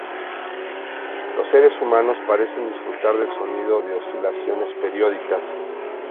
Los seres humanos parecen disfrutar del sonido de oscilaciones periódicas.